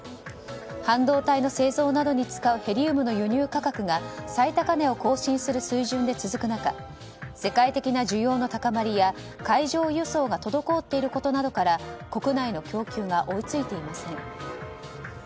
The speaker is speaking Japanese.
半導体の製造などに使うヘリウムの輸入価格が最高値を更新する水準で続く中世界的な需要の高まりや海上輸送が滞っていることなどから国内の供給が追い付いていません。